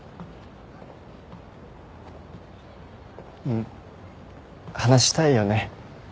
うん話したいよね。